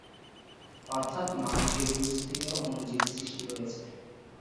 অর্থাৎ মাংসের জুস থেকে অণুজীব সৃষ্টি হয়েছে।